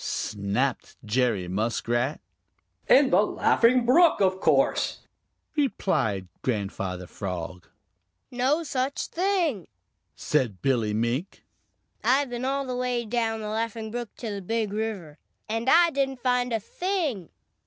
snapped Jerry Muskrat. "In the Laughing Brook, of course," replied Grandfather Frog. "No such thing!" said Billy Mink. "I've been all the way down the Laughing Brook to the Big River, and I didn't find a thing."